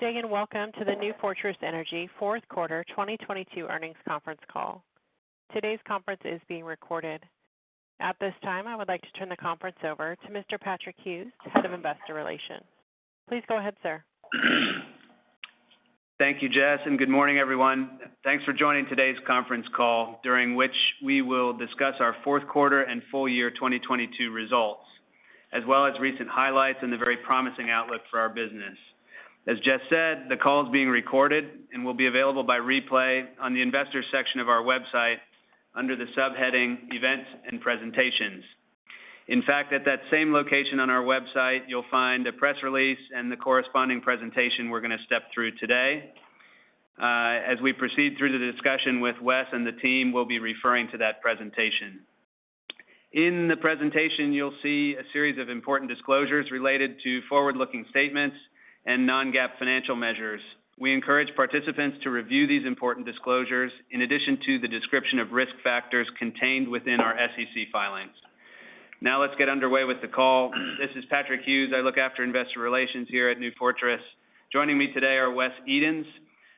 Good day and welcome to the New Fortress Energy fourth quarter 2022 earnings conference call. Today's conference is being recorded. At this time, I would like to turn the conference over to Mr. Patrick Hughes, Head of Investor Relations. Please go ahead, sir. Thank you, Wes Edens, good morning, everyone. Thanks for joining today's conference call, during which we will discuss our fourth quarter and full year 2022 results, as well as recent highlights and the very promising outlook for our business. As Wes Edens said, the call is being recorded and will be available by replay on the Investors section of our website under the subheading Events and Presentations. In fact, at that same location on our website, you'll find a press release and the corresponding presentation we're going to step through today. As we proceed through the discussion with Wes and the team, we'll be referring to that presentation. In the presentation, you'll see a series of important disclosures related to forward-looking statements and non-GAAP financial measures. We encourage participants to review these important disclosures in addition to the description of risk factors contained within our SEC filings. Now let's get underway with the call. This is Patrick Hughes. I look after investor relations here at New Fortress. Joining me today are Wes Edens,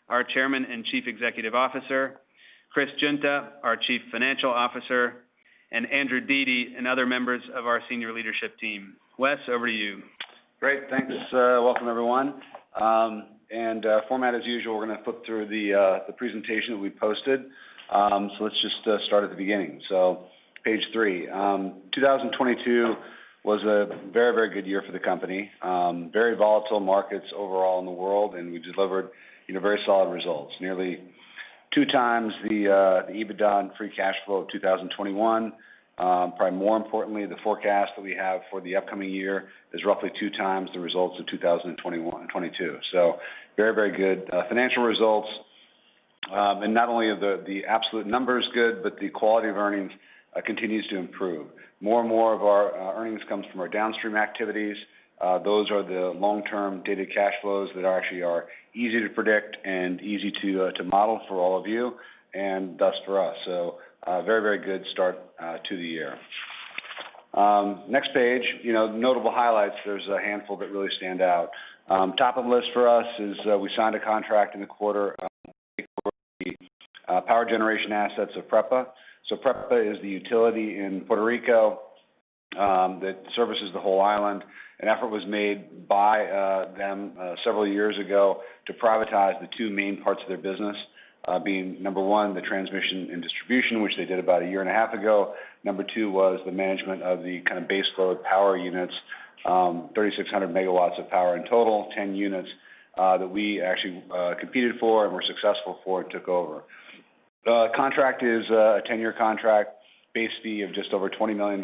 our Chairman and Chief Executive Officer; Chris Guinta, our Chief Financial Officer; and Andrew Dete, and other members of our senior leadership team. Wes, over to you. Great. Thanks. Welcome, everyone. Format as usual, we're gonna flip through the presentation that we posted. Let's just start at the beginning. Page three. 2022 was a very, very good year for the company. Very volatile markets overall in the world, and we delivered, you know, very solid results. Nearly 2x the EBITDA and free cash flow of 2021. Probably more importantly, the forecast that we have for the upcoming year is roughly 2x the results of 2022. Very, very good, financial results. Not only are the absolute numbers good, but the quality of earnings continues to improve. More and more of our earnings comes from our downstream activities. Those are the long-term data cash flows that actually are easy to predict and easy to model for all of you, and thus for us. A very, very good start to the year. Next page, you know, notable highlights. There's a handful that really stand out. Top of the list for us is, we signed a contract in the quarter, power generation assets of PREPA. PREPA is the utility in Puerto Rico, that services the whole island. An effort was made by them several years ago to privatize the two main parts of their business, being number one, the transmission and distribution, which they did about a year and a half ago. Number two was the management of the kinda base load power units, 3,600 megawatts of power in total, 10 units that we actually competed for and were successful for and took over. The contract is a 10-year contract, base fee of just over $20 million.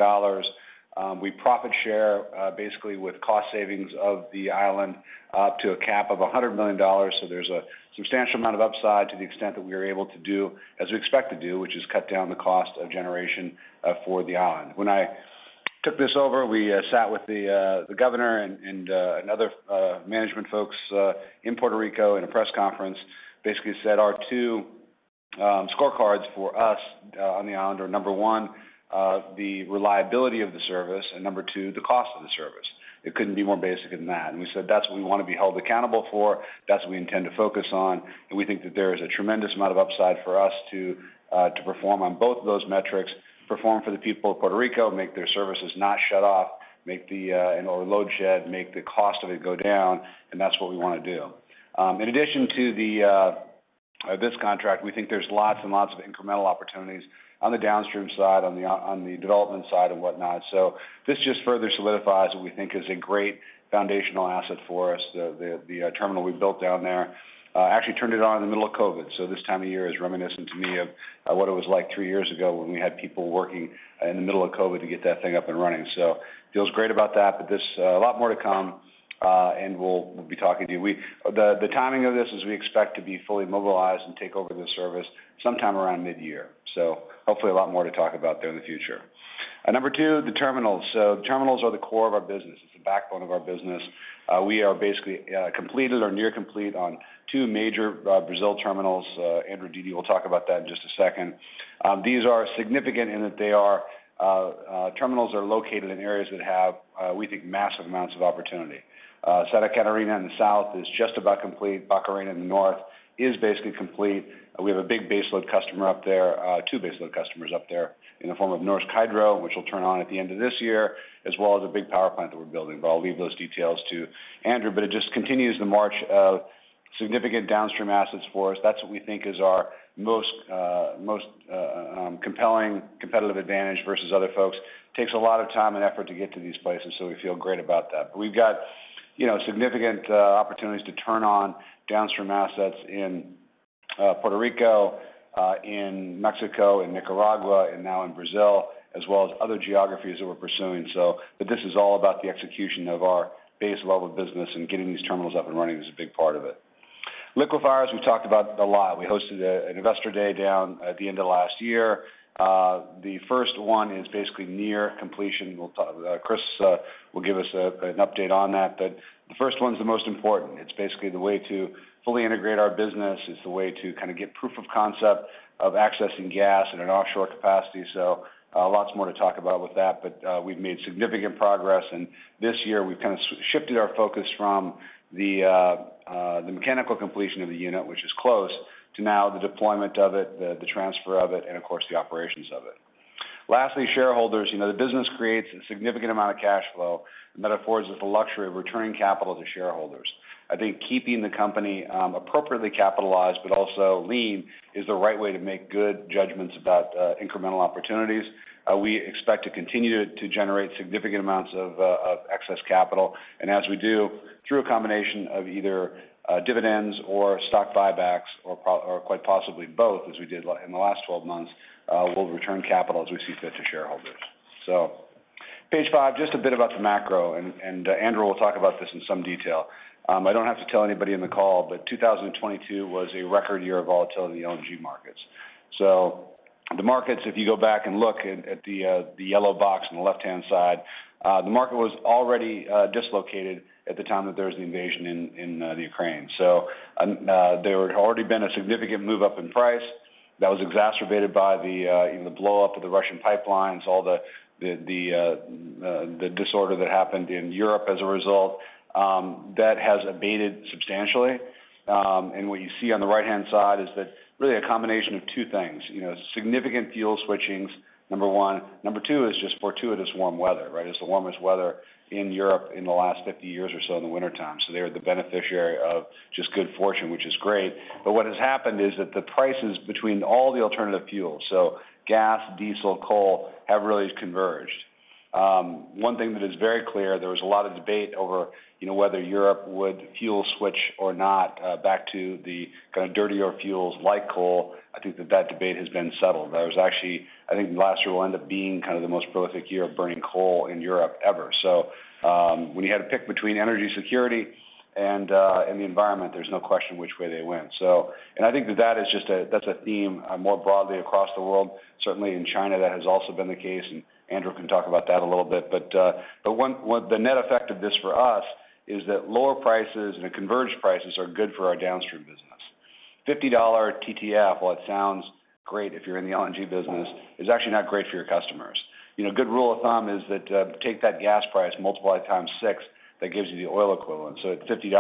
We profit share basically with cost savings of the island up to a cap of $100 million. There's a substantial amount of upside to the extent that we are able to do as we expect to do, which is cut down the cost of generation for the island. When I took this over, we sat with the governor and and other management folks in Puerto Rico in a press conference. Basically said our two scorecards for us on the island are, number one, the reliability of the service, and number two, the cost of the service. It couldn't be more basic than that. We said, that's what we wanna be held accountable for, that's what we intend to focus on, and we think that there is a tremendous amount of upside for us to perform on both of those metrics, perform for the people of Puerto Rico, make their services not shut off, make the, you know, load shed, make the cost of it go down, and that's what we wanna do. In addition to this contract, we think there's lots and lots of incremental opportunities on the downstream side, on the development side and whatnot. This just further solidifies what we think is a great foundational asset for us. The terminal we built down there actually turned it on in the middle of COVID. This time of year is reminiscent to me of what it was like three years ago when we had people working in the middle of COVID to get that thing up and running. Feels great about that, but there's a lot more to come, and we'll be talking to you. The timing of this is we expect to be fully mobilized and take over this service sometime around mid-year. Hopefully a lot more to talk about there in the future. Number two, the terminals. Terminals are the core of our business. It's the backbone of our. We are basically completed or near complete on two major Brazil terminals. Andrew Dete will talk about that in just a second. These are significant in that they are terminals are located in areas that have, we think massive amounts of opportunity. Santa Catarina in the south is just about complete. Barcarena in the north is basically complete. We have a big baseload customer up there, two baseload customers up there in the form of Norsk Hydro, which will turn on at the end of this year, as well as a big power plant that we're building. I'll leave those details to Andrew. It just continues the march of significant downstream assets for us. That's what we think is our most compelling competitive advantage versus other folks. Takes a lot of time and effort to get to these places. We feel great about that. We've got, you know, significant opportunities to turn on downstream assets in Puerto Rico, in Mexico, in Nicaragua, and now in Brazil, as well as other geographies that we're pursuing. This is all about the execution of our base level business, and getting these terminals up and running is a big part of it. Liquefiers, we've talked about it a lot. We hosted an investor day down at the end of last year. The first one is basically near completion. Chris will give us an update on that. The first one's the most important. It's basically the way to fully integrate our business. It's the way to kinda get proof of concept of accessing gas in an offshore capacity. Lots more to talk about with that, but, we've made significant progress. This year we've kinda shifted our focus from the mechanical completion of the unit, which is close, to now the deployment of it, the transfer of it, and of course, the operations of it. Lastly, shareholders, you know, the business creates a significant amount of cash flow, and that affords us the luxury of returning capital to shareholders. I think keeping the company, appropriately capitalized, but also lean, is the right way to make good judgments about incremental opportunities. We expect to continue to generate significant amounts of excess capital. As we do, through a combination of either dividends or stock buybacks or quite possibly both, as we did in the last 12 months, we'll return capital as we see fit to shareholders. Page five, just a bit about the macro, and Andrew will talk about this in some detail. I don't have to tell anybody in the call, but 2022 was a record year of volatility in the LNG markets. The markets, if you go back and look at the yellow box on the left-hand side, the market was already dislocated at the time that there was an invasion in Ukraine. There had already been a significant move-up in price. That was exacerbated by the, you know, the blow-up of the Russian pipelines, all the disorder that happened in Europe as a result. That has abated substantially. What you see on the right-hand side is that really a combination of two things. You know, significant fuel switchings, number one. Number two is just fortuitous warm weather, right? It's the warmest weather in Europe in the last 50 years or so in the wintertime, so they are the beneficiary of just good fortune, which is great. What has happened is that the prices between all the alternative fuels, so gas, diesel, coal, have really converged. One thing that is very clear, there was a lot of debate over, you know, whether Europe would fuel switch or not, back to the kinda dirtier fuels like coal. I think that that debate has been settled. I think last year will end up being kind of the most prolific year of burning coal in Europe ever. When you had to pick between energy security and the environment, there's no question which way they went. I think that that's a theme more broadly across the world. Certainly in China that has also been the case, and Andrew Dete can talk about that a little bit. The net effect of this for us is that lower prices and the converged prices are good for our downstream business. $50 TTF, while it sounds great if you're in the LNG business, is actually not great for your customers. You know, a good rule of thumb is that, take that gas price, multiply it 6x, that gives you the oil equivalent. At $50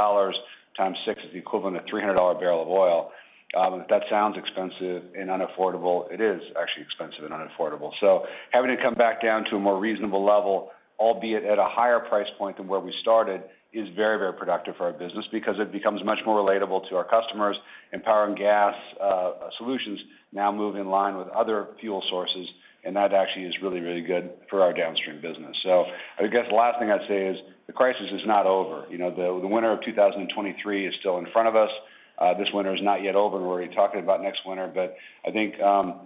6x is the equivalent of $300 a barrel of oil. If that sounds expensive and unaffordable, it is actually expensive and unaffordable. Having it come back down to a more reasonable level, albeit at a higher price point than where we started, is very, very productive for our business because it becomes much more relatable to our customers. Power and gas solutions now move in line with other fuel sources, and that actually is really, really good for our downstream business. I guess the last thing I'd say is the crisis is not over. You know, the winter of 2023 is still in front of us. This winter is not yet over and we're already talking about next winter. I think,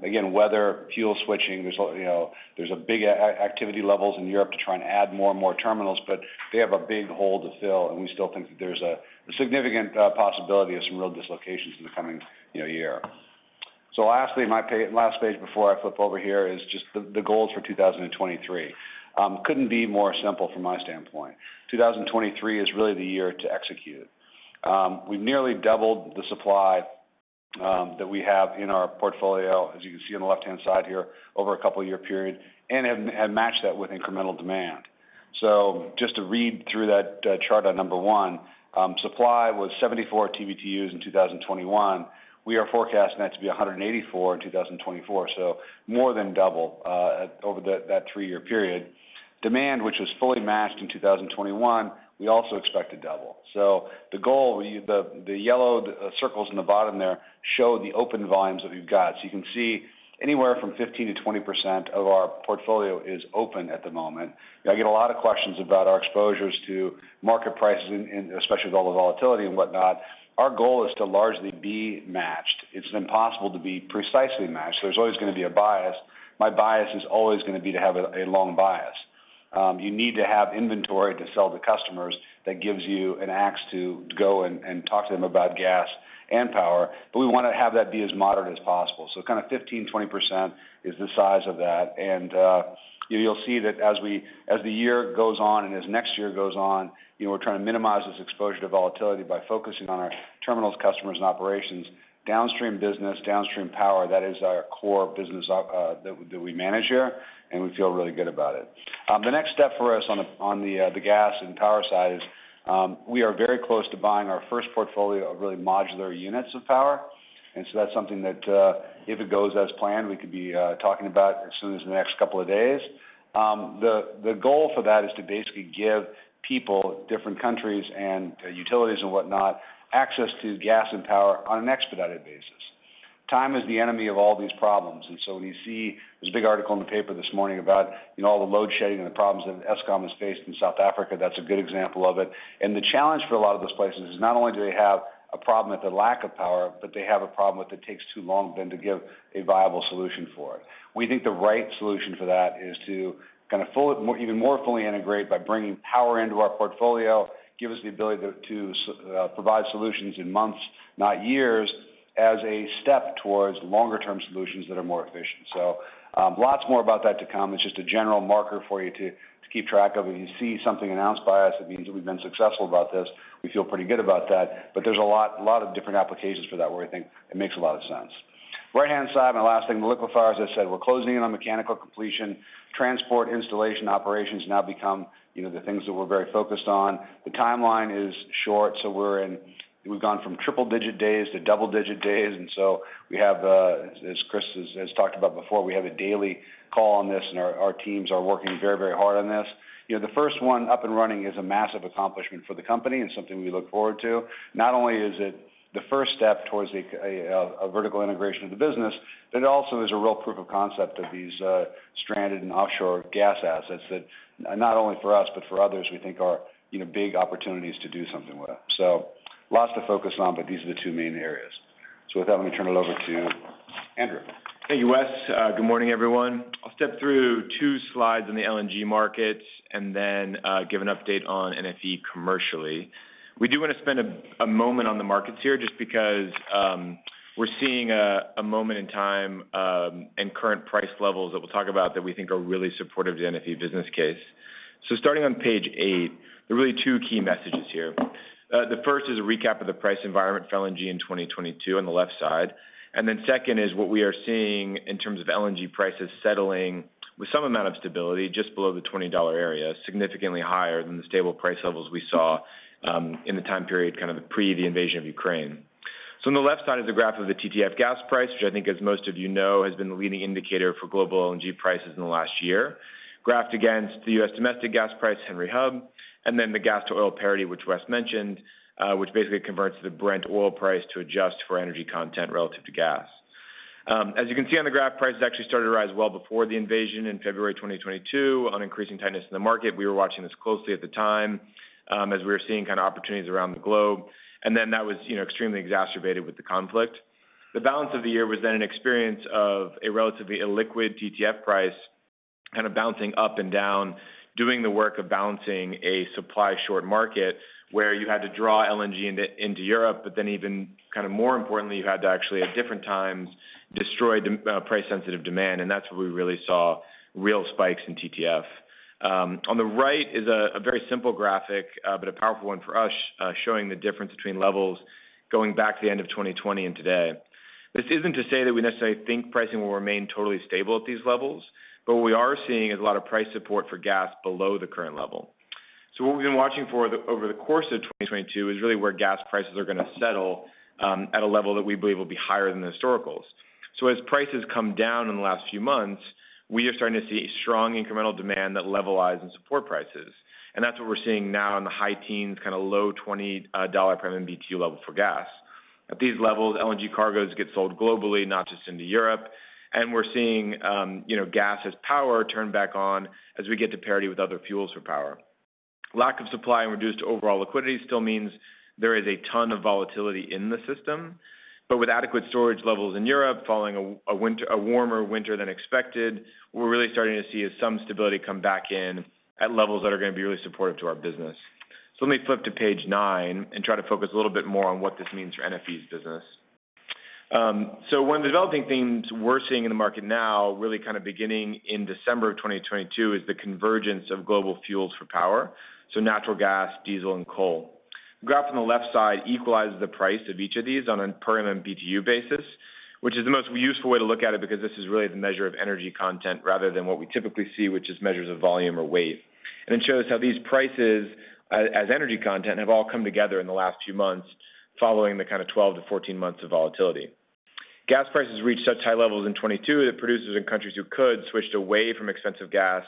again, weather, fuel switching, there's, you know, there's a big activity levels in Europe to try and add more and more terminals, but they have a big hole to fill, and we still think that there's a significant possibility of some real dislocations in the coming, you know, year. Lastly, my last page before I flip over here is just the goals for 2023. Couldn't be more simple from my standpoint. 2023 is really the year to execute. We've nearly doubled the supply that we have in our portfolio, as you can see on the left-hand side here, over a couple year period, and have matched that with incremental demand. Just to read through that chart on number one, supply was 74 TBtus in 2021. We are forecasting that to be 184 in 2024, so more than double that three-year period. Demand, which was fully matched in 2021, we also expect to double. The goal, the yellowed circles in the bottom there show the open volumes that we've got. You can see anywhere from 15%-20% of our portfolio is open at the moment. You know, I get a lot of questions about our exposures to market prices and especially with all the volatility and whatnot. Our goal is to largely be matched. It's impossible to be precisely matched. There's always gonna be a bias. My bias is always gonna be to have a long bias. You need to have inventory to sell to customers that gives you an axe to go and talk to them about gas and power, but we wanna have that be as moderate as possible. Kind of 15%-20% is the size of that. You'll see that as the year goes on and as next year goes on, you know, we're trying to minimize this exposure to volatility by focusing on our terminals, customers, and operations. Downstream business, downstream power, that is our core business that we manage here, and we feel really good about it. The next step for us on the gas and power side is, we are very close to buying our first portfolio of really modular units of power. That's something that, if it goes as planned, we could be talking about as soon as the next couple of days. The goal for that is to basically give people, different countries and utilities and whatnot, access to gas and power on an expedited basis. Time is the enemy of all these problems. When you see there was a big article in the paper this morning about, you know, all the load shedding and the problems that Eskom has faced in South Africa. That's a good example of it. The challenge for a lot of those places is not only do they have a problem with the lack of power, but they have a problem with it takes too long then to give a viable solution for it. We think the right solution for that is to kind of even more fully integrate by bringing power into our portfolio, give us the ability to provide solutions in months, not years, as a step towards longer term solutions that are more efficient. Lots more about that to come. It's just a general marker for you to keep track of. If you see something announced by us, it means that we've been successful about this. We feel pretty good about that, but there's a lot of different applications for that where we think it makes a lot of sense. Right-hand side, my last thing, the liquefier, as I said, we're closing in on mechanical completion. Transport installation operations now become, you know, the things that we're very focused on. The timeline is short, we've gone from triple-digit days to double-digit days. We have as Chris has talked about before, we have a daily call on this, and our teams are working very, very hard on this. You know, the 1st one up and running is a massive accomplishment for the company and something we look forward to. Not only is it the 1st step towards a vertical integration of the business, but it also is a real proof of concept of these stranded and offshore gas assets that not only for us, but for others, we think are, you know, big opportunities to do something with. Lots to focus on, but these are the two main areas. With that, let me turn it over to Andrew. Thank you, Wes Edens. Good morning, everyone. I'll step through two slides in the LNG markets and then give an update on NFE commercially. We do wanna spend a moment on the markets here just because we're seeing a moment in time and current price levels that we'll talk about that we think are really supportive to the NFE business case. Starting on page eight, there are really two key messages here. The first is a recap of the price environment for LNG in 2022 on the left side. Second is what we are seeing in terms of LNG prices settling with some amount of stability just below the $20 area, significantly higher than the stable price levels we saw in the time period kind of pre the invasion of Ukraine. On the left side is a graph of the TTF gas price, which I think, as most of you know, has been the leading indicator for global LNG prices in the last year, graphed against the U.S. domestic gas price, Henry Hub, and then the gas to oil parity, which Wes mentioned, which basically converts the Brent oil price to adjust for energy content relative to gas. As you can see on the graph, prices actually started to rise well before the invasion in February 2022 on increasing tightness in the market. We were watching this closely at the time, as we were seeing kinda opportunities around the globe. That was, you know, extremely exacerbated with the conflict. The balance of the year was then an experience of a relatively illiquid TTF price kinda bouncing up and down, doing the work of balancing a supply short market where you had to draw LNG into Europe, but then even kinda more importantly, you had to actually, at different times, destroy price-sensitive demand, and that's where we really saw real spikes in TTF. On the right is a very simple graphic, but a powerful one for us, showing the difference between levels going back to the end of 2020 and today. This isn't to say that we necessarily think pricing will remain totally stable at these levels, but what we are seeing is a lot of price support for gas below the current level. What we've been watching over the course of 2022 is really where gas prices are gonna settle at a level that we believe will be higher than the historicals. As prices come down in the last few months, we are starting to see strong incremental demand that levelize and support prices. That's what we're seeing now in the high teens, kinda low $20 per MMBtu level for gas. At these levels, LNG cargos get sold globally, not just into Europe, and we're seeing, you know, gas as power turn back on as we get to parity with other fuels for power. Lack of supply and reduced overall liquidity still means there is a ton of volatility in the system. With adequate storage levels in Europe following a warmer winter than expected, we're really starting to see some stability come back in at levels that are gonna be really supportive to our business. Let me flip to page nine and try to focus a little bit more on what this means for NFE's business. One of the developing themes we're seeing in the market now, really kind of beginning in December of 2022, is the convergence of global fuels for power, so natural gas, diesel, and coal. Graph on the left side equalizes the price of each of these on a per MMBtu basis, which is the most useful way to look at it because this is really the measure of energy content rather than what we typically see, which is measures of volume or weight. It shows how these prices, as energy content have all come together in the last few months following the kinda 12-14 months of volatility. Gas prices reached such high levels in 2022 that producers in countries who could switched away from expensive gas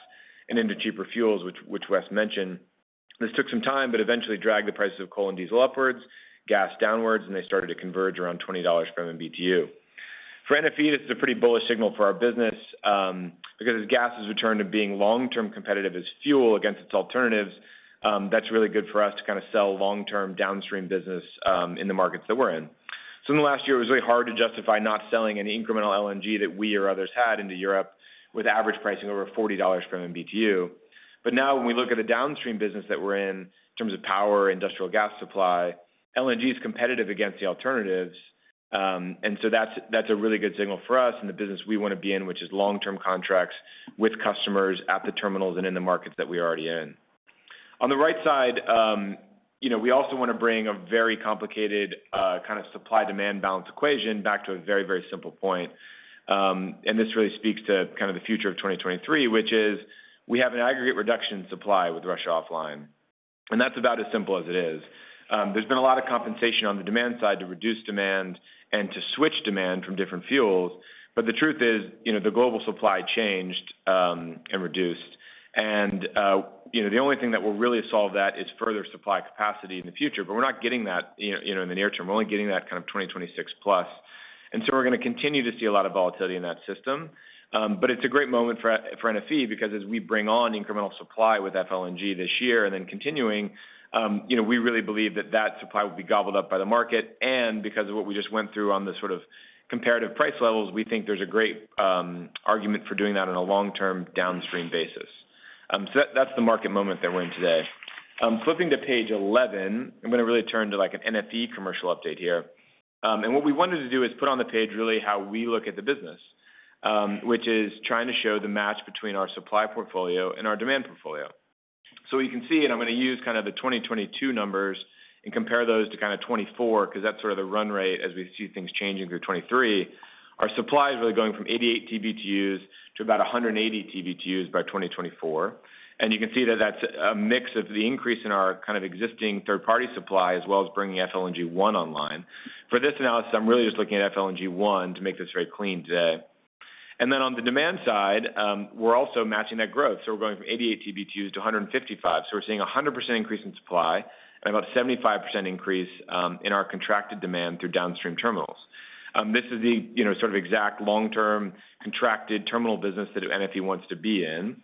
and into cheaper fuels, which Wes mentioned. This took some time, but eventually dragged the prices of coal and diesel upwards, gas downwards, and they started to converge around $20 per MMBtu. For NFE, this is a pretty bullish signal for our business, because as gas has returned to being long-term competitive as fuel against its alternatives, that's really good for us to kinda sell long-term downstream business in the markets that we're in. In the last year, it was really hard to justify not selling any incremental LNG that we or others had into Europe with average pricing over $40 per MMBtu. Now when we look at the downstream business that we're in in terms of power, industrial gas supply, LNG is competitive against the alternatives. That's a really good signal for us in the business we wanna be in, which is long-term contracts with customers at the terminals and in the markets that we are already in. On the right side, you know, we also wanna bring a very complicated kind of supply-demand balance equation back to a very, very simple point. This really speaks to kind of the future of 2023, which is we have an aggregate reduction in supply with Russia offline. That's about as simple as it is. There's been a lot of compensation on the demand side to reduce demand and to switch demand from different fuels. The truth is, you know, the global supply changed and reduced. The only thing that will really solve that is further supply capacity in the future. We're not getting that you know, in the near term. We're only getting that kind of 2026+. We're gonna continue to see a lot of volatility in that system. It's a great moment for NFE because as we bring on incremental supply with FLNG this year and then continuing, you know, we really believe that that supply will be gobbled up by the market. Because of what we just went through on the sort of comparative price levels, we think there's a great argument for doing that on a long-term downstream basis. That's the market moment that we're in today. Flipping to page 11, I'm gonna really turn to, like, an NFE commercial update here. What we wanted to do is put on the page really how we look at the business, which is trying to show the match between our supply portfolio and our demand portfolio. You can see, and I'm gonna use kind of the 2022 numbers and compare those to kind of 2024, 'cause that's sort of the run rate as we see things changing through 2023. Our supply is really going from 88 TBtus to about 180 TBtus by 2024. You can see that that's a mix of the increase in our kind of existing third-party supply as well as bringing FLNG 1 online. For this analysis, I'm really just looking at FLNG 1 to make this very clean today. On the demand side, we're also matching that growth. We're going from 88 TBtu-155TBtu. We're seeing a 100% increase in supply and about 75% increase in our contracted demand through downstream terminals. This is the, you know, sort of exact long-term contracted terminal business that NFE wants to be in.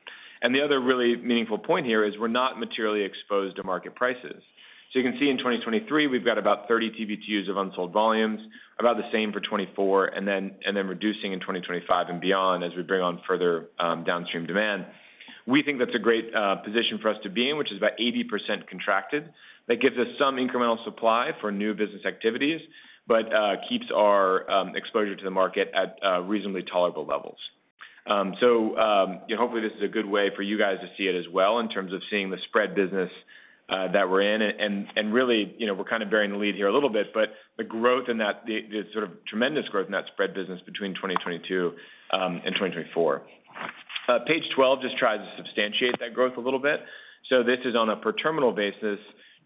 The other really meaningful point here is we're not materially exposed to market prices. You can see in 2023, we've got about 30 TBtus of unsold volumes, about the same for 2024, and then reducing in 2025 and beyond as we bring on further downstream demand. We think that's a great position for us to be in, which is about 80% contracted. That gives us some incremental supply for new business activities, but keeps our exposure to the market at reasonably tolerable levels. You know, hopefully this is a good way for you guys to see it as well in terms of seeing the spread business that we're in and really, you know, we're kind of burying the lead here a little bit, but the sort of tremendous growth in that spread business between 2022 and 2024. Page 12 just tries to substantiate that growth a little bit. This is on a per terminal basis,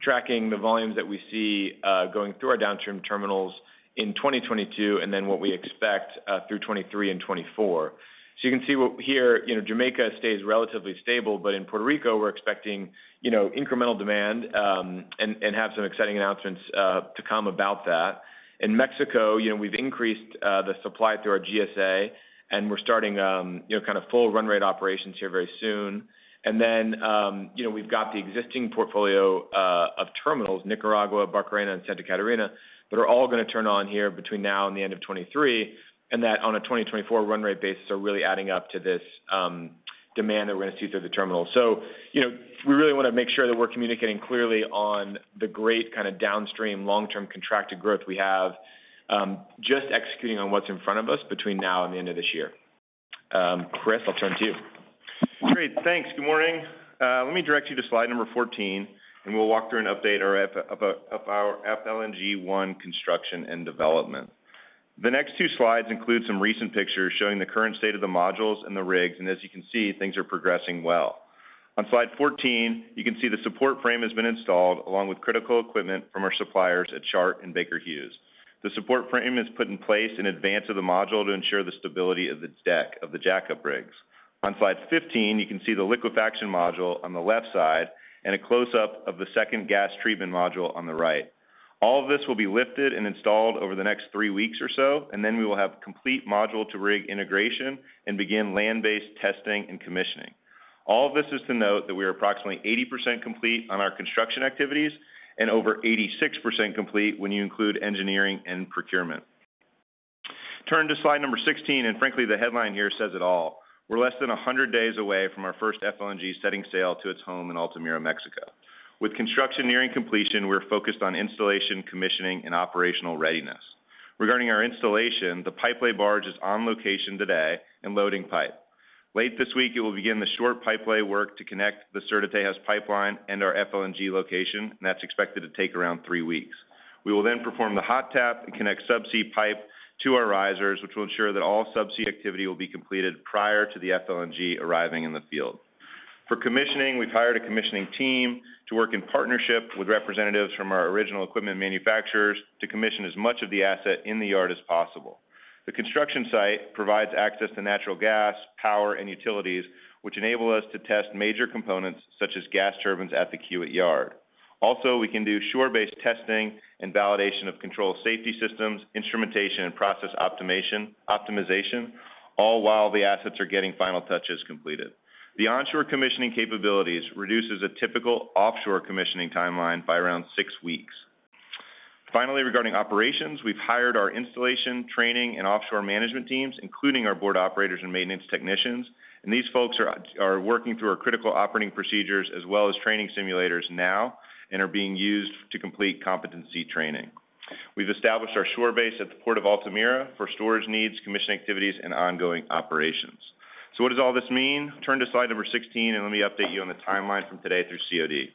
tracking the volumes that we see going through our downstream terminals in 2022 and then what we expect through 2023 and 2024. You can see where, you know, Jamaica stays relatively stable, but in Puerto Rico, we're expecting, you know, incremental demand, and have some exciting announcements to come about that. In Mexico, you know, we've increased the supply through our GSA and we're starting, you know, kind of full run rate operations here very soon. You know, we've got the existing portfolio of terminals, Nicaragua, Barcarena, and Santa Catarina, that are all gonna turn on here between now and the end of 2023, and that on a 2024 run rate basis are really adding up to this demand that we're gonna see through the terminal. You know, we really wanna make sure that we're communicating clearly on the great kind of downstream long-term contracted growth we have, just executing on what's in front of us between now and the end of this year. Chris, I'll turn to you. Great. Thanks. Good morning. Let me direct you to slide number 14, and we'll walk through an update of our FLNG 1 construction and development. The next two slides include some recent pictures showing the current state of the modules and the rigs, and as you can see, things are progressing well. On slide 14, you can see the support frame has been installed along with critical equipment from our suppliers at Chart and Baker Hughes. The support frame is put in place in advance of the module to ensure the stability of the deck of the jackup rigs. On slide 15, you can see the liquefaction module on the left side and a close-up of the second gas treatment module on the right. All of this will be lifted and installed over the next three weeks or so, and then we will have complete module-to-rig integration and begin land-based testing and commissioning. All of this is to note that we are approximately 80% complete on our construction activities and over 86% complete when you include engineering and procurement. Turn to slide number 16, and frankly, the headline here says it all. We're less than 100 days away from our first FLNG setting sail to its home in Altamira, Mexico. With construction nearing completion, we're focused on installation, commissioning, and operational readiness. Regarding our installation, the pipe lay barge is on location today and loading pipe. Late this week, it will begin the short pipe lay work to connect the Sur de Texas pipeline and our FLNG location, and that's expected to take around three weeks. We will perform the hot tap and connect subsea pipe to our risers, which will ensure that all subsea activity will be completed prior to the FLNG arriving in the field. For commissioning, we've hired a commissioning team to work in partnership with representatives from our original equipment manufacturers to commission as much of the asset in the yard as possible. The construction site provides access to natural gas, power, and utilities, which enable us to test major components such as gas turbines at the Kiewit Yard. We can do shore-based testing and validation of control safety systems, instrumentation, and process optimization, all while the assets are getting final touches completed. The onshore commissioning capabilities reduces a typical offshore commissioning timeline by around six weeks. Finally, regarding operations, we've hired our installation, training, and offshore management teams, including our board operators and maintenance technicians, and these folks are working through our critical operating procedures as well as training simulators now and are being used to complete competency training. We've established our shore base at the Port of Altamira for storage needs, commissioning activities, and ongoing operations. What does all this mean? Turn to slide number 16 and let me update you on the timeline from today through COD.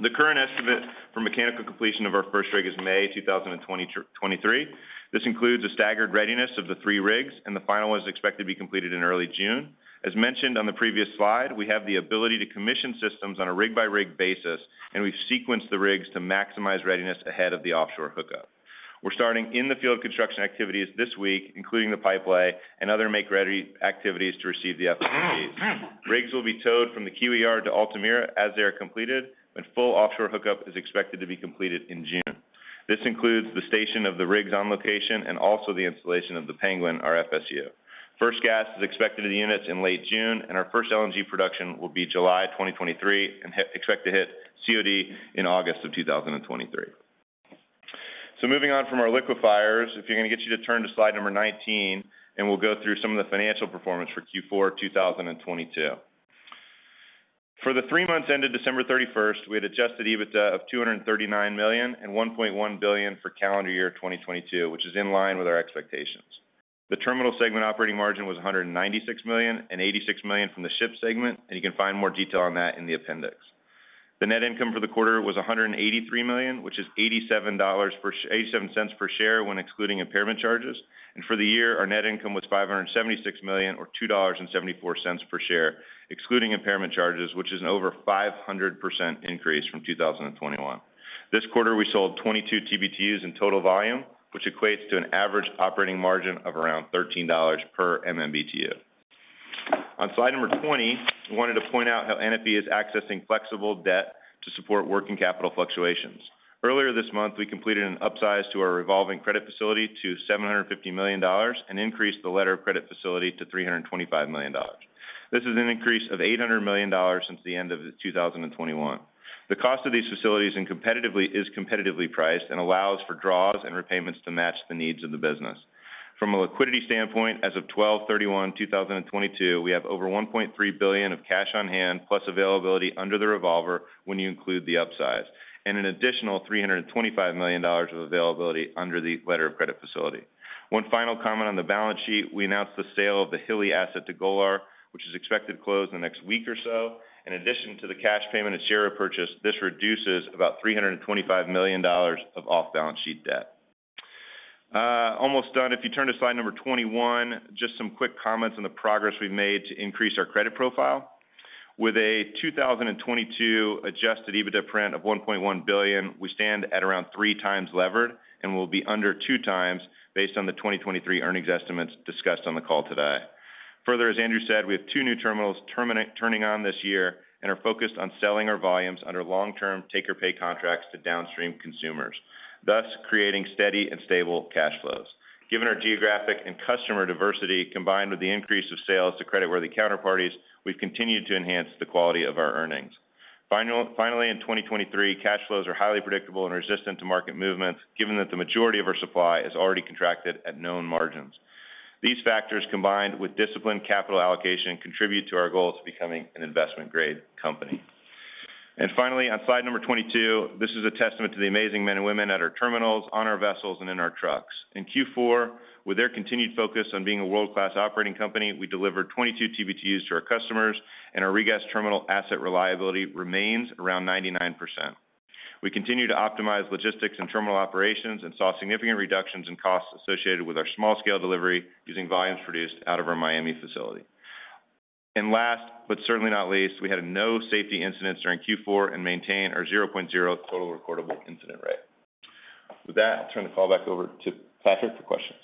The current estimate for mechanical completion of our first rig is May 2023. This includes a staggered readiness of the three rigs, and the final is expected to be completed in early June. As mentioned on the previous slide, we have the ability to commission systems on a rig-by-rig basis, and we've sequenced the rigs to maximize readiness ahead of the offshore hookup. We're starting in-the-field construction activities this week, including the pipe lay and other make-ready activities to receive the FLNGs. Rigs will be towed from the Kiewit Yard to Altamira as they are completed, and full offshore hookup is expected to be completed in June. This includes the station of the rigs on location and also the installation of the Penguin, our FSU. First gas is expected in the units in late June, and our first LNG production will be July 2023 and expect to hit COD in August of 2023. Moving on from our liquefiers, if you're going to get you to turn to slide 19, we'll go through some of the financial performance for Q4 2022. For the three months ended December thirty-first, we had adjusted EBITDA of $239 million and $1.1 billion for calendar year 2022, which is in line with our expectations. The terminal segment operating margin was $196 million and $86 million from the ship segment, you can find more detail on that in the appendix. The net income for the quarter was $183 million, which is $0.87 per share when excluding impairment charges. For the year, our net income was $576 million or $2.74 per share, excluding impairment charges, which is an over 500% increase from 2021. This quarter, we sold 22 TBtus in total volume, which equates to an average operating margin of around $13 per MMBtu. On slide number 20, we wanted to point out how NFE is accessing flexible debt to support working capital fluctuations. Earlier this month, we completed an upsize to our revolving credit facility to $750 million and increased the letter of credit facility to $325 million. This is an increase of $800 million since the end of 2021. The cost of these facilities is competitively priced and allows for draws and repayments to match the needs of the business. From a liquidity standpoint, as of 12/31/2022, we have over $1.3 billion of cash on hand, plus availability under the revolver when you include the upsize, and an additional $325 million of availability under the letter of credit facility. One final comment on the balance sheet. Almost done. If you turn to slide number 21, just some quick comments on the progress we've made to increase our credit profile. With a 2022 adjusted EBITDA print of $1.1 billion, we stand at around 3x levered and will be under 2x based on the 2023 earnings estimates discussed on the call today. As Andrew said, we have two new terminals turning on this year and are focused on selling our volumes under long-term take-or-pay contracts to downstream consumers, thus creating steady and stable cash flows. Given our geographic and customer diversity, combined with the increase of sales to creditworthy counterparties, we've continued to enhance the quality of our earnings. Finally, in 2023, cash flows are highly predictable and resistant to market movements, given that the majority of our supply is already contracted at known margins. These factors, combined with disciplined capital allocation, contribute to our goal to becoming an investment-grade company. Finally, on slide number 22, this is a testament to the amazing men and women at our terminals, on our vessels, and in our trucks. In Q4, with their continued focus on being a world-class operating company, we delivered 22 TBTUs to our customers, and our regas terminal asset reliability remains around 99%. We continue to optimize logistics and terminal operations and saw significant reductions in costs associated with our small scale delivery using volumes produced out of our Miami facility. Last, but certainly not least, we had no safety incidents during Q4 and maintain our 0.0 total recordable incident rate. With that, I'll turn the call back over to Patrick for questions.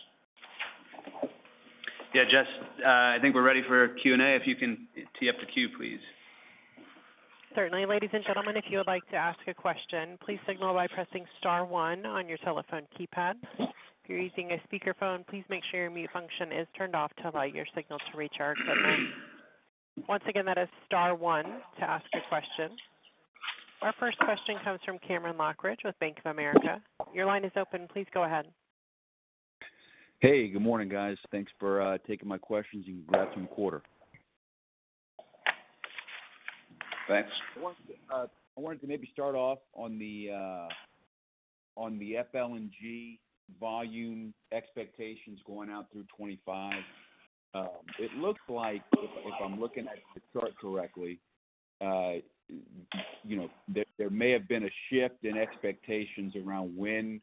Yeah, Wes Edens, I think we're ready for Q&A, if you can tee up the queue, please. Certainly. Ladies and gentlemen, if you would like to ask a question, please signal by pressing star one on your telephone keypad. If you're using a speakerphone, please make sure your mute function is turned off to allow your signal to reach our equipment. Once again, that is star one to ask a question. Our first question comes from Cameron Lochridge with Bank of America. Your line is open. Please go ahead. Hey, good morning, guys. Thanks for taking my questions and congrats on the quarter. Thanks. I wanted to maybe start off on the FLNG volume expectations going out through 25. It looks like if I'm looking at the chart correctly, you know, there may have been a shift in expectations around when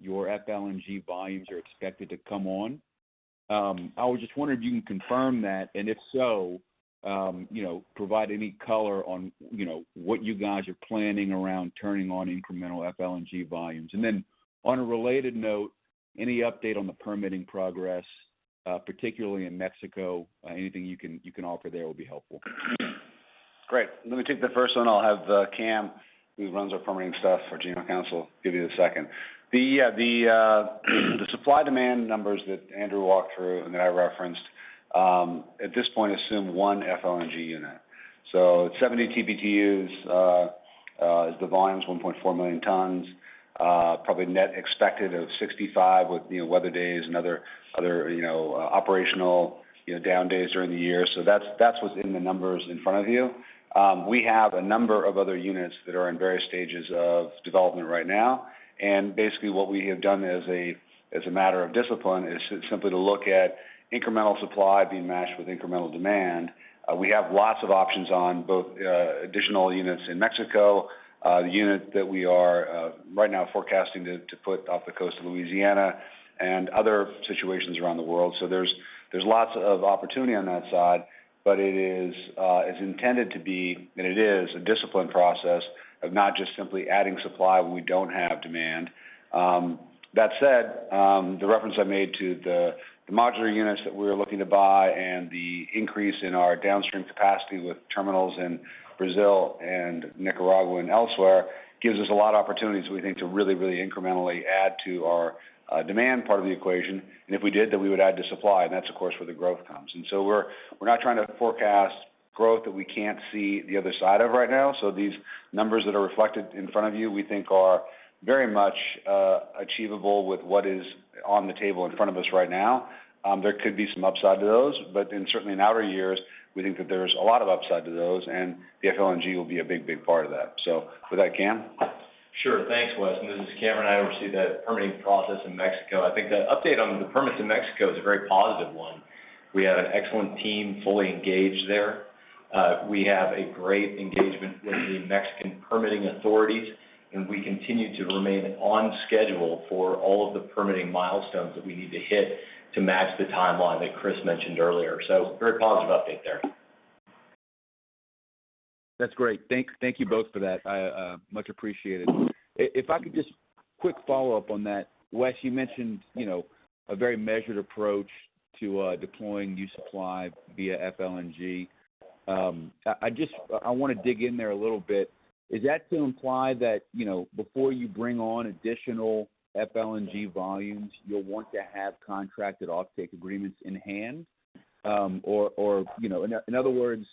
your FLNG volumes are expected to come on. I was just wondering if you can confirm that, and if so, you know, provide any color on, you know, what you guys are planning around turning on incremental FLNG volumes. Then on a related note, any update on the permitting progress, particularly in Mexico? Anything you can, you can offer there will be helpful. Great. Let me take the first one. I'll have Cam, who runs our permitting stuff for GMO Council, give you the second. The supply demand numbers that Andrew walked through and that I referenced, at this point, assume one FLNG unit. So 70 TBtu is the volumes 1.4 million tons, probably net expected of 65 with, you know, weather days and other, you know, operational, you know, down days during the year. So that's what's in the numbers in front of you. We have a number of other units that are in various stages of development right now. Basically, what we have done as a, as a matter of discipline is simply to look at incremental supply being matched with incremental demand. We have lots of options on both additional units in Mexico, the unit that we are right now forecasting to put off the coast of Louisiana and other situations around the world. There's lots of opportunity on that side, but it is, it's intended to be, and it is a disciplined process of not just simply adding supply when we don't have demand. That said, the reference I made to the modular units that we're looking to buy and the increase in our downstream capacity with terminals in Brazil and Nicaragua and elsewhere gives us a lot of opportunities, we think, to really incrementally add to our demand part of the equation. If we did that, we would add to supply, and that's, of course, where the growth comes. We're not trying to forecast growth that we can't see the other side of right now. These numbers that are reflected in front of you, we think are very much achievable with what is on the table in front of us right now. There could be some upside to those, but certainly in outer years, we think that there's a lot of upside to those. The FLNG will be a big, big part of that. With that, Cam? Sure. Thanks, Wes. This is Cameron. I oversee that permitting process in Mexico. I think the update on the permits in Mexico is a very positive one. We have an excellent team fully engaged there. We have a great engagement with the Mexican permitting authorities. We continue to remain on schedule for all of the permitting milestones that we need to hit to match the timeline that Chris mentioned earlier. Very positive update there. That's great. Thank you both for that. I much appreciated. If I could just quick follow-up on that. Wes, you mentioned, you know, a very measured approach to deploying new supply via FLNG. I wanna dig in there a little bit. Is that to imply that, you know, before you bring on additional FLNG volumes, you'll want to have contracted offtake agreements in hand? Or, you know, in other words,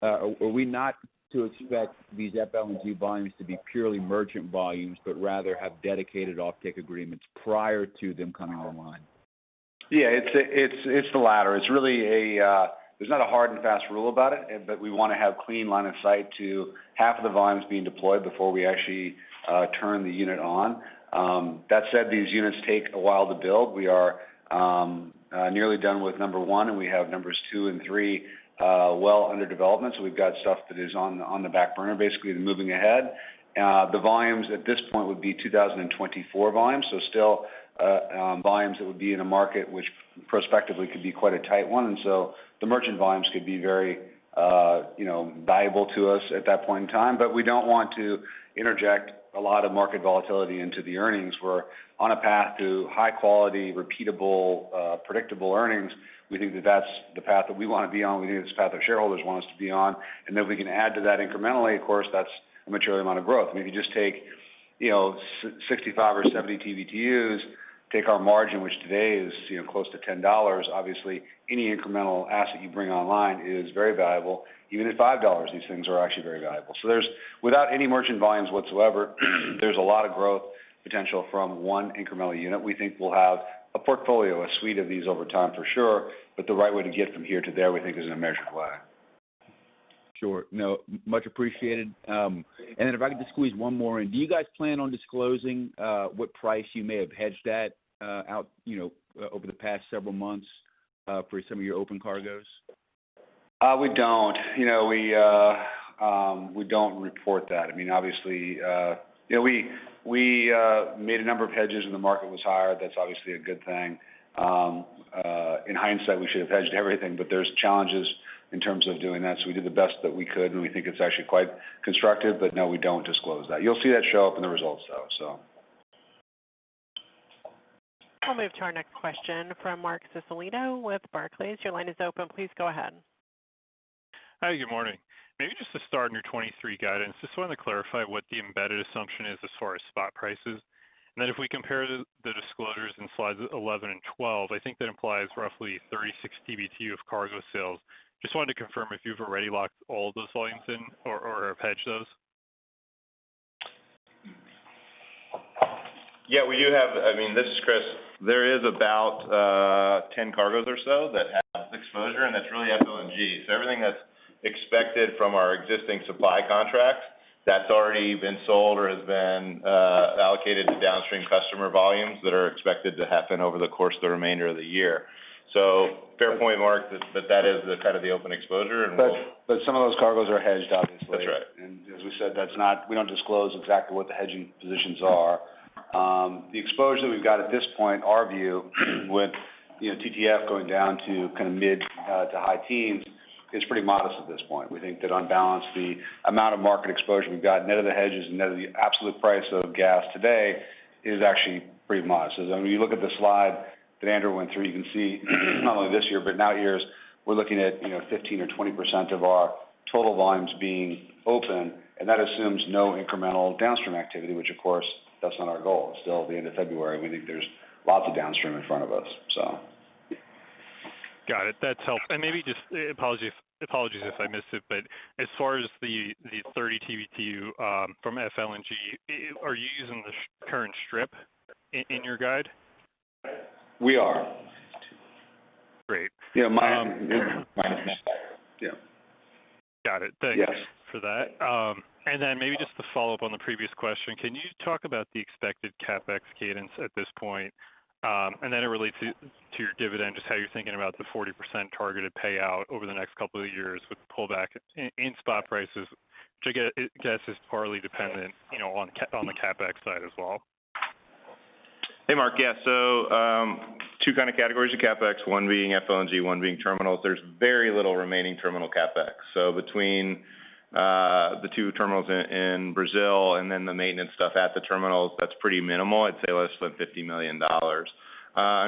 are we not to expect these FLNG volumes to be purely merchant volumes, but rather have dedicated offtake agreements prior to them coming online? Yeah, it's the latter. It's really a... There's not a hard and fast rule about it, but we wanna have clean line of sight to half of the volumes being deployed before we actually turn the unit on. That said, these units take a while to build. We are nearly done with number one, and we have numbers two and three well under development. We've got stuff that is on the back burner, basically, and moving ahead. The volumes at this point would be 2024 volumes. Still volumes that would be in a market which prospectively could be quite a tight one. The merchant volumes could be very, you know, valuable to us at that point in time. We don't want to interject a lot of market volatility into the earnings. We're on a path to high quality, repeatable, predictable earnings. We think that that's the path that we wanna be on. We think that's the path our shareholders want us to be on. Then we can add to that incrementally, of course, that's a material amount of growth. I mean, if you just take, you know, 65 or 70 TBtu, take our margin, which today is, you know, close to $10, obviously, any incremental asset you bring online is very valuable. Even at $5, these things are actually very valuable. Without any merchant volumes whatsoever, there's a lot of growth potential from one incremental unit. We think we'll have a portfolio, a suite of these over time for sure, but the right way to get from here to there, we think is in a measured way. Sure. No, much appreciated. If I could just squeeze one more in. Do you guys plan on disclosing, what price you may have hedged at, out, you know, over the past several months, for some of your open cargoes? We don't. You know, we don't report that. I mean, obviously, you know, we made a number of hedges when the market was higher. That's obviously a good thing. In hindsight, we should have hedged everything, but there's challenges in terms of doing that. We did the best that we could, and we think it's actually quite constructive. No, we don't disclose that. You'll see that show up in the results, though. We'll move to our next question from Marc Solecitto with Barclays. Your line is open. Please go ahead. Hi, good morning. Maybe just to start on your 2023 guidance, just wanted to clarify what the embedded assumption is as far as spot prices. If we compare the disclosures in slides 11 and 12, I think that implies roughly 36 BTU of cargo sales. Just wanted to confirm if you've already locked all those volumes in or have hedged those. I mean, this is Chris. There is about 10 cargoes or so that have exposure, and that's really FLNGs. Everything that's expected from our existing supply contracts that's already been sold or has been allocated to downstream customer volumes that are expected to happen over the course of the remainder of the year. Fair point, Marc, that that is the kind of the open exposure. Some of those cargoes are hedged, obviously. That's right. As we said, we don't disclose exactly what the hedging positions are. The exposure we've got at this point, our view with, you know, TTF going down to kind of mid to high teens, is pretty modest at this point. We think that on balance, the amount of market exposure we've got net of the hedges and net of the absolute price of gas today is actually pretty modest. When you look at the slide that Andrew Dete went through, you can see not only this year, but out years we're looking at, you know, 15% or 20% of our total volumes being open, and that assumes no incremental downstream activity, which of course, that's not our goal. It's still the end of February. We think there's lots of downstream in front of us. Gotit. That helps. Maybe just, apologies if I missed it, but as far as the 30 TBtu from FLNG, are you using the current strip in your guide? We are. Great. Yeah, mine is yeah. Got it. Yes. Thanks for that. Maybe just to follow up on the previous question, can you talk about the expected CapEx cadence at this point? It relates to your dividend, just how you're thinking about the 40% targeted payout over the next couple of years with the pullback in spot prices, which I guess is partly dependent, you know, on the CapEx side as well? Hey, Marc. Yeah. two kind of categories of CapEx, one being FLNG, one being terminals. There's very little remaining terminal CapEx. between, the two terminals in Brazil and then the maintenance stuff at the terminals, that's pretty minimal. I'd say less than $50 million. on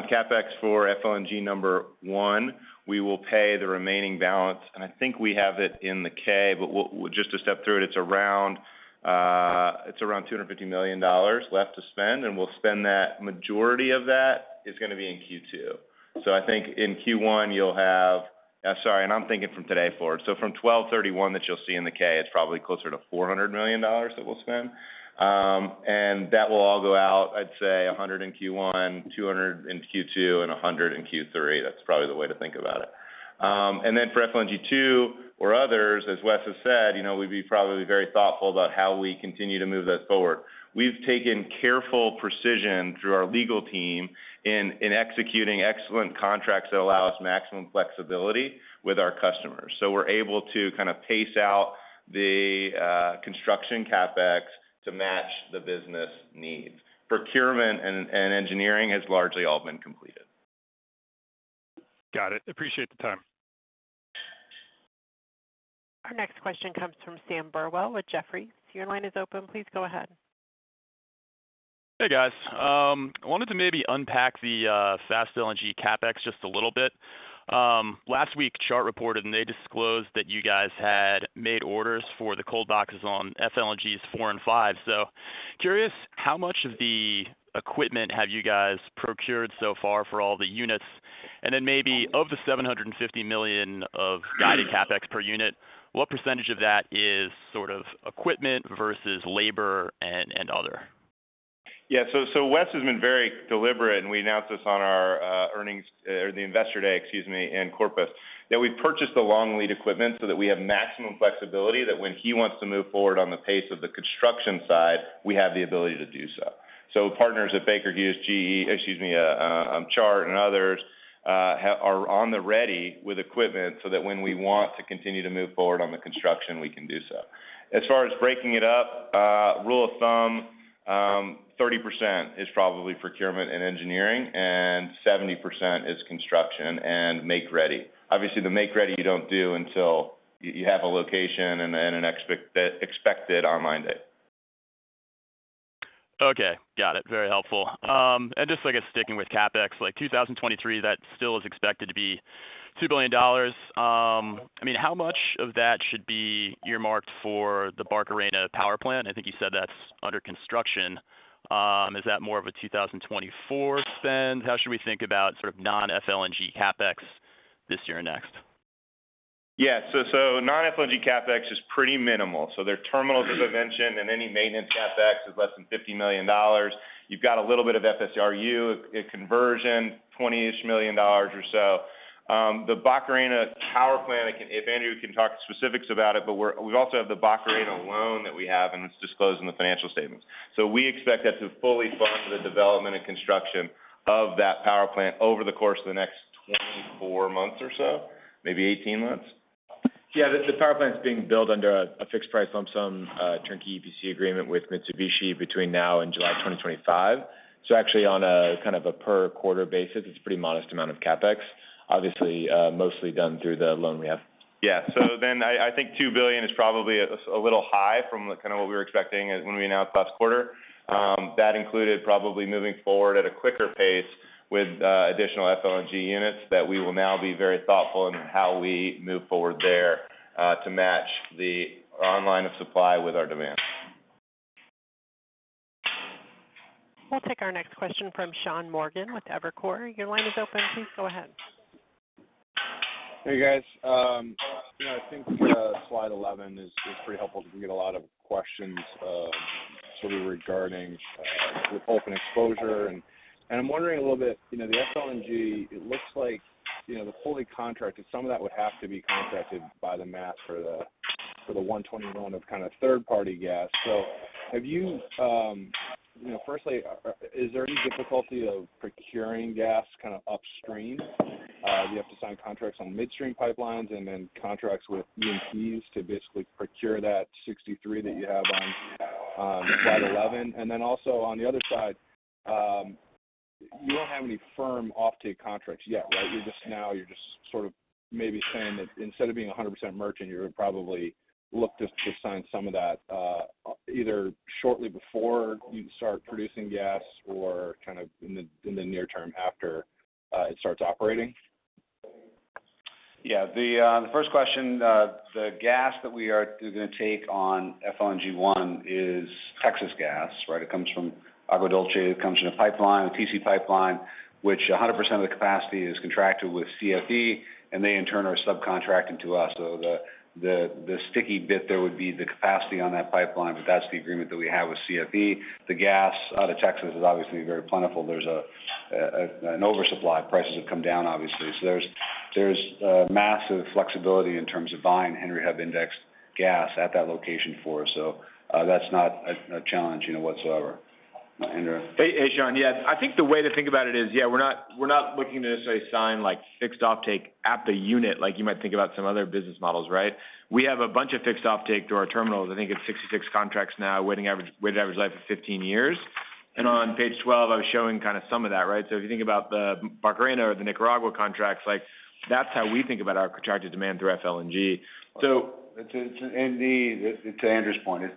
CapEx for FLNG number one, we will pay the remaining balance, and I think we have it in the K, but just to step through it's around $250 million left to spend, and we'll spend that. Majority of that is gonna be in Q2. I think in Q1. Sorry, I'm thinking from today forward. from 12/31 that you'll see in the K, it's probably closer to $400 million that spend. That will all go out, I'd say 100 in Q1, 200 in Q2, and 100 in Q3. That's probably the way to think about it. Then for FLNG 2 or others, as Wes has said, you know, we'd be probably very thoughtful about how we continue to move that forward. We've taken careful precision through our legal team in executing excellent contracts that allow us maximum flexibility with our customers. We're able to kind of pace out the construction CapEx to match the business needs. Procurement and engineering has largely all been completed. Got it. Appreciate the time. Our next question comes from Sam Burwell with Jefferies. Your line is open. Please go ahead. Hey, guys. I wanted to maybe unpack the Fast LNG CapEx just a little bit. Last week, Chart reported, they disclosed that you guys had made orders for the cold boxes on FLNGs 4 and 5. Curious, how much of the equipment have you guys procured so far for all the units? Then maybe of the $750 million of guided CapEx per unit, what % of that is sort of equipment versus labor and other? Wes has been very deliberate, and we announced this on our, the Investor Day, excuse me, in Corpus. That we purchased the long lead equipment so that we have maximum flexibility that when he wants to move forward on the pace of the construction side, we have the ability to do so. Partners at Baker Hughes, Chart and others, are on the ready with equipment so that when we want to continue to move forward on the construction, we can do so. As far as breaking it up, rule of thumb, 30% is probably procurement and engineering, and 70% is construction and make ready. Obviously, the make ready you don't do until you have a location and then an expected online date. Okay. Got it. Very helpful. Just, I guess, sticking with CapEx, like, 2023, that still is expected to be $2 billion. I mean, how much of that should be earmarked for the Barcarena Power Plant? I think you said that's under construction. Is that more of a 2024 spend? How should we think about sort of non-FLNG CapEx this year and next? Yeah. Non-FLNG CapEx is pretty minimal. Their terminals as I mentioned, and any maintenance CapEx is less than $50 million. You've got a little bit of FSRU, a conversion, $20 million or so. The Barcarena Power Plant, if Andrew can talk specifics about it, but we also have the Barcarena loan that we have, and it's disclosed in the financial statements. We expect that to fully fund the development and construction of that power plant over the course of the next 24 months or so, maybe 18 months. Yeah. The power plant is being built under a fixed price lump sum turnkey EPC agreement with Mitsubishi between now and July 2025. Actually on a kind of a per quarter basis, it's pretty modest amount of CapEx, obviously, mostly done through the loan we have. I think $2 billion is probably a little high from kind of what we were expecting when we announced last quarter. That included probably moving forward at a quicker pace with additional FLNG units that we will now be very thoughtful in how we move forward there to match the online of supply with our demand. We'll take our next question from Sean Morgan with Evercore. Your line is open. Please go ahead. Hey, guys. Yeah, I think slide 11 is pretty helpful because we get a lot of questions sort of regarding the open exposure. I'm wondering a little bit, you know, the FLNG, it looks like the fully contracted, some of that would have to be contracted by the mat for the $120 million of kind of third party gas. Have you, You know, firstly, is there any difficulty of procuring gas kind of upstream? Do you have to sign contracts on midstream pipelines and then contracts with E&Ps to basically procure that 63 that you have on slide 11? Also on the other side, you don't have any firm offtake contracts yet, right? Now you're just sort of maybe saying that instead of being 100% merchant, you're probably look to sign some of that either shortly before you start producing gas or kind of in the near term after it starts operating. The first question, the gas that we are going to take on FLNG 1 is Texas gas, right? It comes from Agua Dulce, it comes in a pipeline, a TC pipeline, which 100% of the capacity is contracted with CFE, and they in turn are subcontracting to us. The sticky bit there would be the capacity on that pipeline, but that's the agreement that we have with CFE. The gas out of Texas is obviously very plentiful. There's an oversupply. Prices have come down, obviously. There's massive flexibility in terms of buying Henry Hub index gas at that location for us. That's not a challenge, you know, whatsoever. Andrew? Hey, hey, Sean. Yeah. I think the way to think about it is, yeah, we're not, we're not looking to necessarily sign, like, fixed offtake at the unit like you might think about some other business models, right? We have a bunch of fixed offtake through our terminals. I think it's 66 contracts now, weighted average life of 15 years. On page 12, I was showing kind of some of that, right? If you think about the Barcarena or the Nicaragua contracts, like, that's how we think about our contracted demand through FLNG. To Andrew's point, is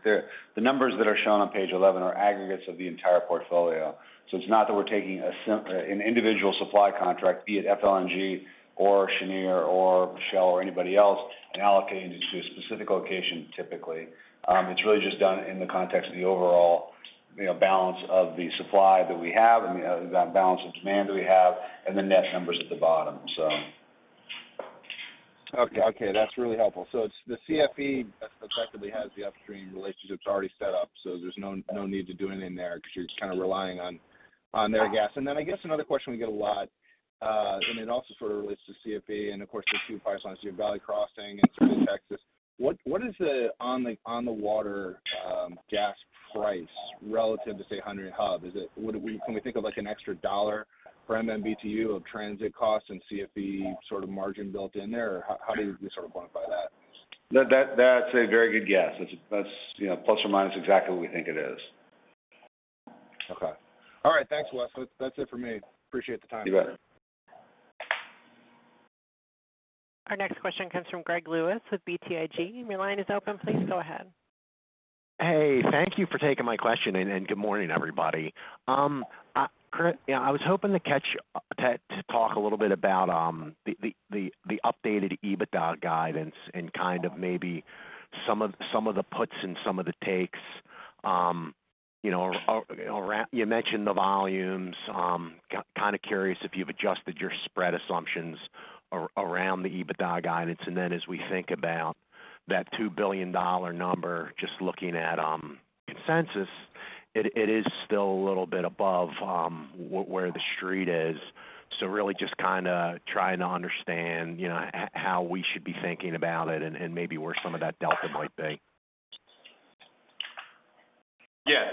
the numbers that are shown on page 11 are aggregates of the entire portfolio. It's not that we're taking an individual supply contract, be it FLNG or Cheniere or Shell or anybody else, and allocating it to a specific location, typically. It's really just done in the context of the overall, you know, balance of the supply that we have and that balance of demand that we have and the net numbers at the bottom. Okay, that's really helpful. It's the CFE that effectively has the upstream relationships already set up, so there's no need to do anything there 'cause you're just kind of relying on their gas. Then I guess another question we get a lot, and it also sort of relates to CFE, and of course, the two pipelines, you have Valley Crossing and Central Texas. What is the on the water gas price relative to, say, Henry Hub? Is it? Can we think of, like, an extra $1 per MMBtu of transit costs and CFE sort of margin built in there? Or how do you sort of quantify that? That's a very good guess. That's, you know, plus or minus exactly what we think it is. Okay. All right. Thanks, Wes. That's it for me. Appreciate the time. You bet. Our next question comes from Greg Lewis with BTIG. Your line is open. Please go ahead. Hey, thank you for taking my question, and good morning, everybody. Kurt, you know, I was hoping to talk a little bit about the updated EBITDA guidance and kind of maybe some of the puts and some of the takes. You know, around you mentioned the volumes. Kind of curious if you've adjusted your spread assumptions around the EBITDA guidance. Then as we think about that $2 billion number, just looking at consensus, it is still a little bit above where the Street is. Really just kinda trying to understand, you know, how we should be thinking about it and maybe where some of that delta might be. Yeah.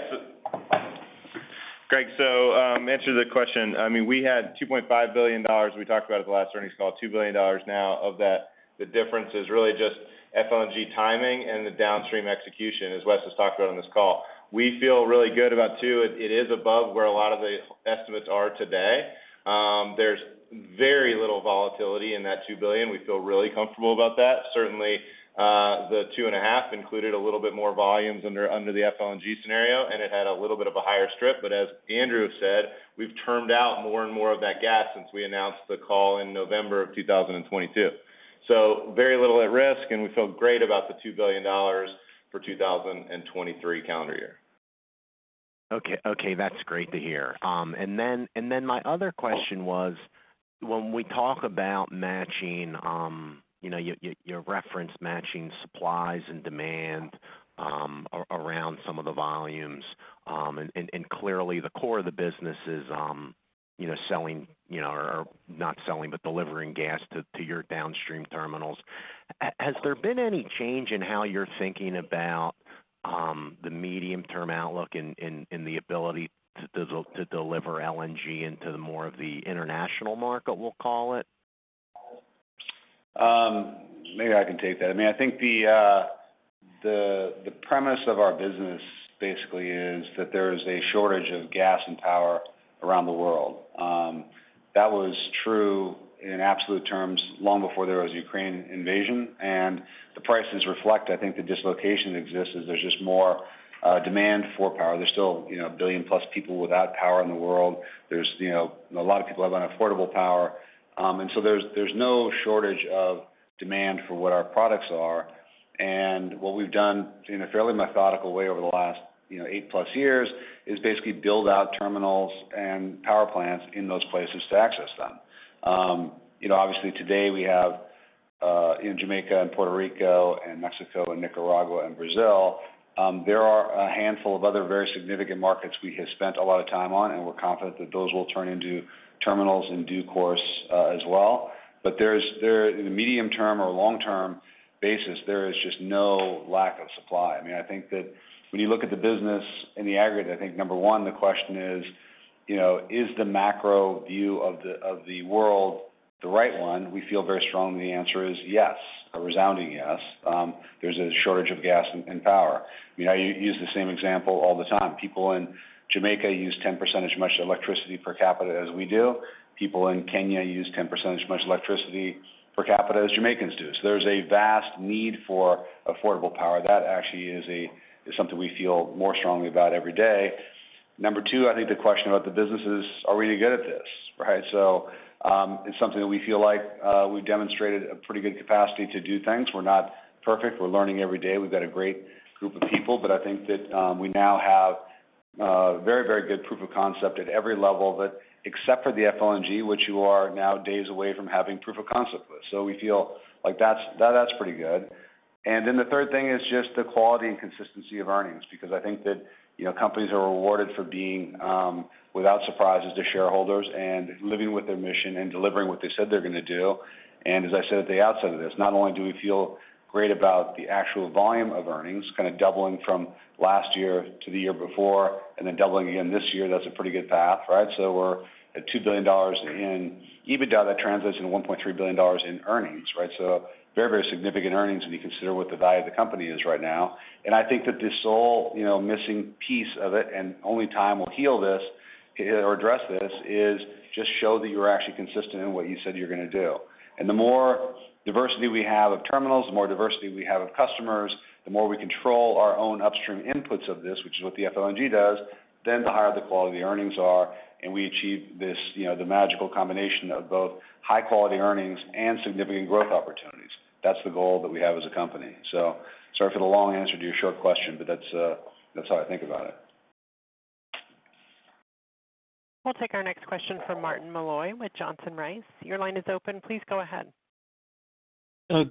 Greg, answer to the question. I mean, we had $2.5 billion we talked about at the last earnings call, $2 billion now of that. The difference is really just FLNG timing and the downstream execution, as Wes has talked about on this call. We feel really good about two. It is above where a lot of the estimates are today. There's very little volatility in that $2 billion. We feel really comfortable about that. Certainly, the 2.5 included a little bit more volumes under the FLNG scenario, and it had a little bit of a higher strip. As Andrew said, we've termed out more and more of that gas since we announced the call in November of 2022. Very little at risk, and we feel great about the $2 billion for 2023 calendar year. Okay. Okay, that's great to hear. My other question was when we talk about matching, you know, your reference matching supplies and demand, around some of the volumes, and clearly the core of the business is, you know, selling, you know, or not selling, but delivering gas to your downstream terminals. Has there been any change in how you're thinking about the medium-term outlook and the ability to deliver LNG into the more of the international market, we'll call it? Maybe I can take that. I mean, I think the premise of our business basically is that there is a shortage of gas and power around the world. That was true in absolute terms long before there was a Ukraine invasion. The prices reflect, I think, the dislocation that exists is there's just more demand for power. There's still, you know, 1 billion+ people without power in the world. There's, you know, a lot of people have unaffordable power. There's no shortage of demand for what our products are. What we've done in a fairly methodical way over the last, you know, 8+ years is basically build out terminals and power plants in those places to access them. You know, obviously today we have in Jamaica and Puerto Rico and Mexico and Nicaragua and Brazil, there are a handful of other very significant markets we have spent a lot of time on, and we're confident that those will turn into terminals in due course as well. In the medium term or long-term basis, there is just no lack of supply. I mean, I think that when you look at the business in the aggregate, I think number one, the question is, you know, is the macro view of the world the right one? We feel very strongly the answer is yes, a resounding yes. There's a shortage of gas and power. You know, you use the same example all the time. People in Jamaica use 10% much electricity per capita as we do. People in Kenya use 10% much electricity per capita as Jamaicans do. There's a vast need for affordable power. That actually is something we feel more strongly about every day. Number two, I think the question about the business is, are we any good at this, right? It's something that we feel like we've demonstrated a pretty good capacity to do things. We're not perfect. We're learning every day. We've got a great group of people, but I think that we now have a very, very good proof of concept at every level that except for the FLNG, which you are now days away from having proof of concept with. We feel like that's pretty good. The third thing is just the quality and consistency of earnings, because I think that, you know, companies are rewarded for being without surprises to shareholders and living with their mission and delivering what they said they're gonna do. As I said at the outset of this, not only do we feel great about the actual volume of earnings, kind of doubling from last year to the year before and then doubling again this year, that's a pretty good path, right? We're at $2 billion in EBITDA. That translates into $1.3 billion in earnings, right? Very, very significant earnings when you consider what the value of the company is right now. I think that this whole, you know, missing piece of it, and only time will heal this or address this, is just show that you're actually consistent in what you said you're gonna do. The more diversity we have of terminals, the more diversity we have of customers, the more we control our own upstream inputs of this, which is what the FLNG does, then the higher the quality earnings are. We achieve this, you know, the magical combination of both high-quality earnings and significant growth opportunities. That's the goal that we have as a company. Sorry for the long answer to your short question, but that's how I think about it. We'll take our next question from Martin Malloy with Johnson Rice. Your line is open. Please go ahead.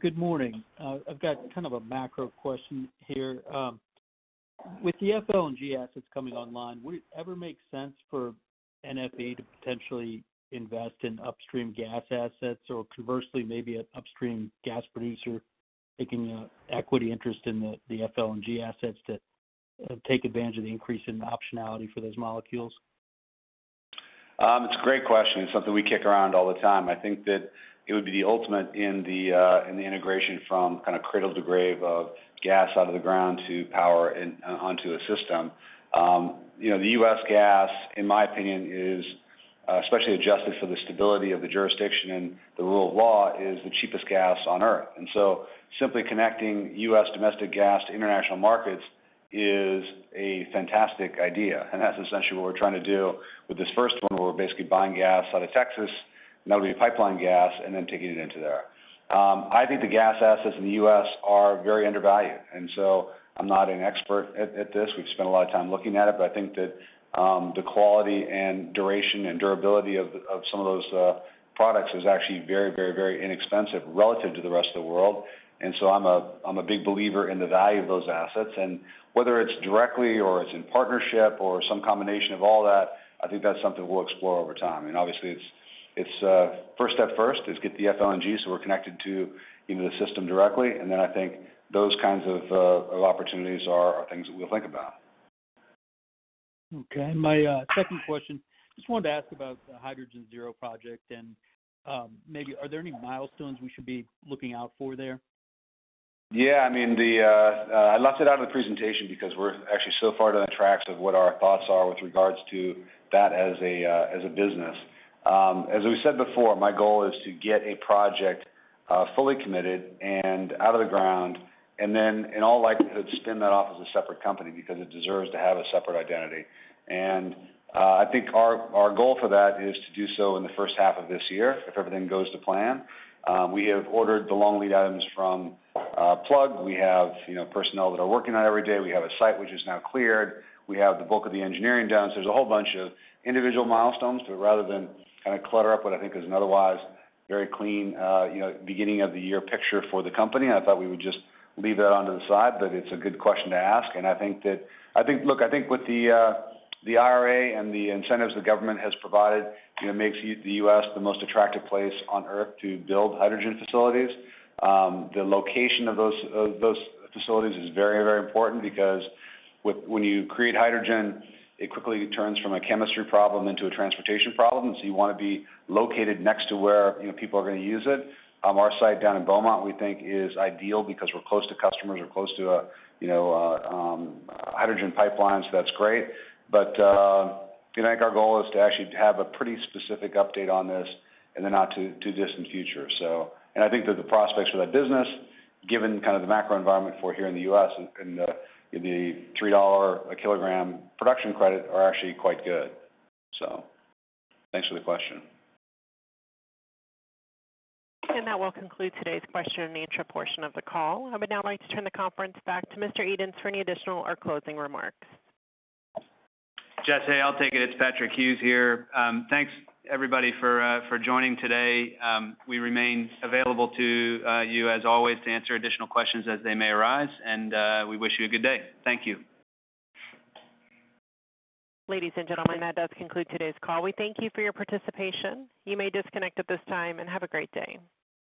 Good morning. I've got kind of a macro question here. With the FLNG assets coming online, would it ever make sense for NFE to potentially invest in upstream gas assets or conversely, maybe an upstream gas producer taking a equity interest in the FLNG assets to take advantage of the increase in optionality for those molecules? It's a great question. It's something we kick around all the time. I think that it would be the ultimate in the integration from kinda cradle to grave of gas out of the ground to power onto a system. You know, the U.S. gas, in my opinion, is especially adjusted for the stability of the jurisdiction and the rule of law, is the cheapest gas on earth. Simply connecting U.S. domestic gas to international markets is a fantastic idea. That's essentially what we're trying to do with this first one, where we're basically buying gas out of Texas, and that'll be pipeline gas, and then taking it into there. I think the gas assets in the U.S. are very undervalued, and so I'm not an expert at this. We've spent a lot of time looking at it, I think that, the quality and duration and durability of some of those, products is actually very inexpensive relative to the rest of the world. I'm a big believer in the value of those assets. Whether it's directly or it's in partnership or some combination of all that, I think that's something we'll explore over time. Obviously, it's first step first is get the FLNG so we're connected to even the system directly. Then I think those kinds of opportunities are things that we'll think about. My second question, just wanted to ask about the Hydrogen Zero project and maybe are there any milestones we should be looking out for there? Yeah. I mean, the I left it out of the presentation because we're actually so far down the tracks of what our thoughts are with regards to that as a business. As we said before, my goal is to get a project fully committed and out of the ground and then in all likelihood, spin that off as a separate company because it deserves to have a separate identity. I think our goal for that is to do so in the first half of this year if everything goes to plan. We have ordered the long lead items from Plug. We have, you know, personnel that are working on it every day. We have a site which is now cleared. We have the bulk of the engineering done. There's a whole bunch of individual milestones, but rather than kinda clutter up what I think is an otherwise very clean, you know, beginning of the year picture for the company, I thought we would just leave that onto the side. It's a good question to ask, and look, I think with the IRA and the incentives the government has provided, you know, makes the U.S. the most attractive place on earth to build hydrogen facilities. The location of those facilities is very, very important because when you create hydrogen, it quickly turns from a chemistry problem into a transportation problem. You wanna be located next to where, you know, people are gonna use it. Our site down in Beaumont, we think, is ideal because we're close to customers, we're close to a hydrogen pipeline, so that's great. I think our goal is to actually have a pretty specific update on this in the not too distant future. I think that the prospects for that business, given kind of the macro environment for here in the U.S. and the $3 a kilogram production credit are actually quite good. Thanks for the question. That will conclude today's question and answer portion of the call. I would now like to turn the conference back to Mr. Edens for any additional or closing remarks. Wes Edens, hey, I'll take it. It's Patrick Hughes here. Thanks everybody for joining today. We remain available to you as always to answer additional questions as they may arise, and we wish you a good day. Thank you. Ladies and gentlemen, that does conclude today's call. We thank you for your participation. You may disconnect at this time, and have a great day.